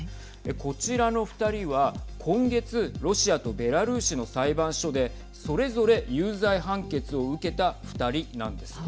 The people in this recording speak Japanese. こちらの２人は今月ロシアとベラルーシの裁判所でそれぞれ、有罪判決を受けた２人なんです。